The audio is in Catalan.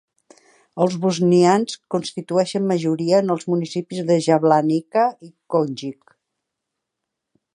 Els bosnians constituïxen majoria en els municipis de Jablanica i Konjic.